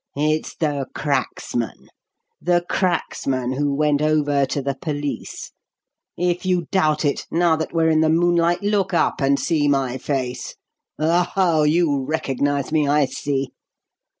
It's the 'cracksman' the 'cracksman' who went over to the police. If you doubt it, now that we're in the moonlight, look up and see my face. Oho! you recognise me, I see.